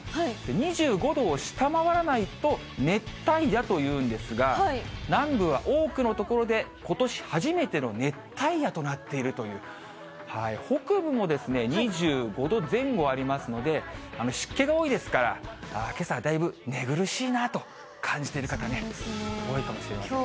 ２５度を下回らないと熱帯夜というんですが、南部は多くの所で、ことし初めての熱帯夜となっているという、北部も２５度前後ありますので、湿気が多いですから、けさはだいぶ寝苦しいなと感じている方、多いかもしれません。